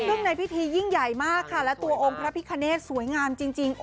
ซึ่งในพิธียิ่งใหญ่มากค่ะและตัวองค์พระพิคเนตสวยงามจริง